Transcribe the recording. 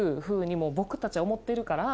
「もう僕達は思ってるから」